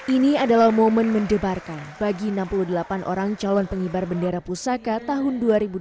ini adalah momen mendebarkan bagi enam puluh delapan orang calon pengibar bendera pusaka tahun dua ribu dua puluh